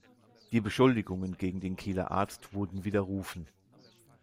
Die Beschuldigungen gegen den Kieler Arzt wurden widerrufen.